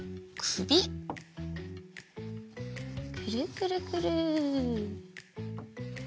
くるくるくる。